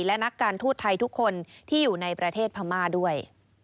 และนักการทูตไทยทุกคนที่อยู่ในประเทศพม่าด้วย